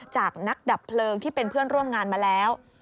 จากนักดับเพลิงที่เป็นเพื่อนร่วมงานมาแล้ว